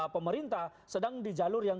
pemerintah sedang di jalur yang